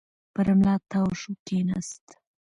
پر ملا تاو شو، کېناست.